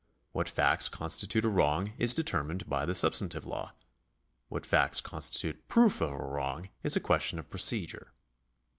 What facts constitute a wrong is determined by the substantive law ; what facts constitute proof of a wrong is a question of procedure.